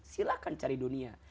silahkan cari dunia